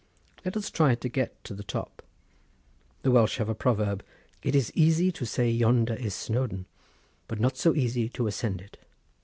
Let us try to get to the top. The Welsh have a proverb: 'It is easy to say yonder is Snowdon; but not so easy to ascend it.